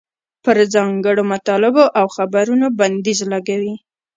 پر ځانګړو مطالبو او خبرونو بندیز لګوي.